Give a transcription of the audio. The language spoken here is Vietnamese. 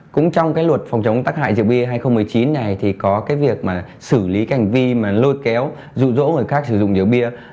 cũng trong cái luật phòng chống tắc hại rượu bia hai nghìn một mươi chín này thì có cái việc mà xử lý cái hành vi mà lôi kéo rụ rỗ người khác sử dụng rượu bia